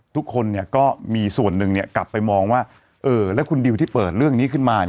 ทุกคนเนี่ยก็มีส่วนหนึ่งเนี่ยกลับไปมองว่าเออแล้วคุณดิวที่เปิดเรื่องนี้ขึ้นมาเนี่ย